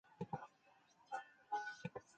单蛙蛭为舌蛭科蛙蛭属的动物。